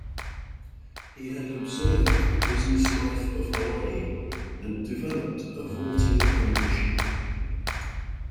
He had observed the business life of Hawaii and developed a vaulting ambition.